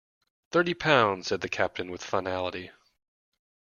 Thirty pounds, said the captain with finality.